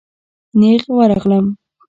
نېغ ورغلم.